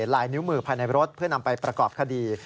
ลายนิ้วมือภายในรถเพื่อนำไปประกอบคดี